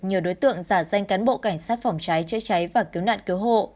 nhiều đối tượng giả danh cán bộ cảnh sát phòng cháy chữa cháy và cứu nạn cứu hộ